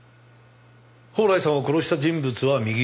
宝来さんを殺した人物は右利き。